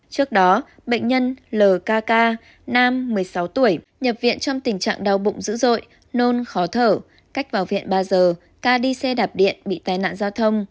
trước đó bệnh nhân lkk nam một mươi sáu tuổi nhập viện trong tình trạng đau bụng dữ dội nôn khó thở cách vào viện ba giờ ca đi xe đạp điện bị tai nạn giao thông